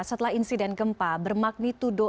setelah insiden gempa bermagnitudo enam tujuh melanda jepang